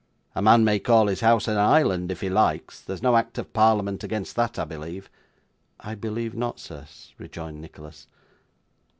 A man may call his house an island if he likes; there's no act of Parliament against that, I believe?' 'I believe not, sir,' rejoined Nicholas.